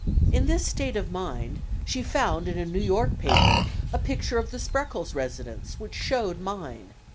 In this state of mind, she found in a New York paper a picture of the Spreckels residence which showed mine.